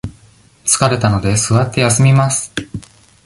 疲れたので、座って休みます。